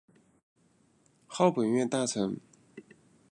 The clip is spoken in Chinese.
号本院大臣。